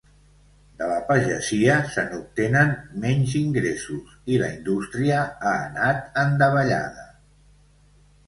De la pagesia se n'obtenen menys ingressos i la indústria ha anat en davallada.